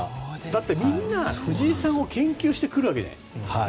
だってみんな、藤井さんを研究してくるわけでしょ。